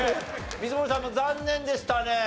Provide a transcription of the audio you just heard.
水森さんも残念でしたね最後。